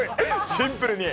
シンプルに。